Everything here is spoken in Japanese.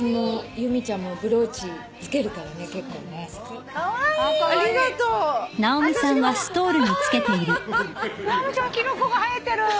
直美ちゃんキノコが生えてる。